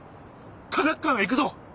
科学館へ行くぞ！